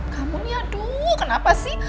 kamu nih aduh kenapa sih